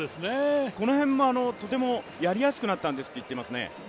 この辺もとてもやりやすくなったんですと言っていますね。